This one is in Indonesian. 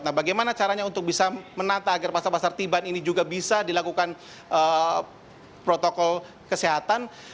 nah bagaimana caranya untuk bisa menata agar pasar pasar tiban ini juga bisa dilakukan protokol kesehatan